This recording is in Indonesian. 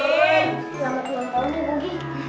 selamat ulang tahun ya bugi